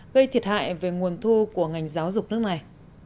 gây thiệt hại về nguồn thu của ngành giáo dục nước này